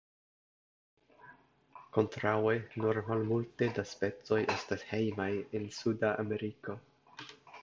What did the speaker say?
Kontraŭe nur malmulte da specoj estas hejmaj en suda Ameriko.